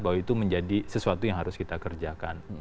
bahwa itu menjadi sesuatu yang harus kita kerjakan